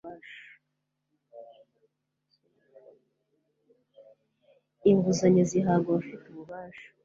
inguzanyo zihabwa abafite ububasha